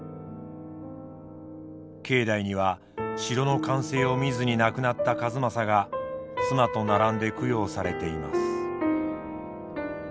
境内には城の完成を見ずに亡くなった数正が妻と並んで供養されています。